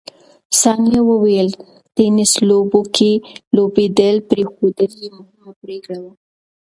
ثانیه وویل، ټېنس لوبو کې لوبېدل پرېښودل یې مهمه پرېکړه وه.